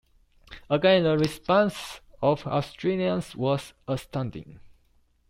Again, the response of Australians was astounding.